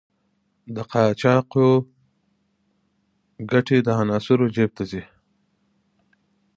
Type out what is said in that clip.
د قاچاقو ګټې د عناصرو جېب ته ځي.